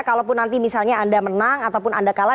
kalaupun nanti misalnya anda menang ataupun anda kalah